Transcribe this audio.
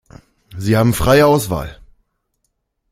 Sie haben freie Auswahl.